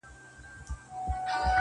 چي په سختو بدو ورځو د بلا مخ ته دریږي!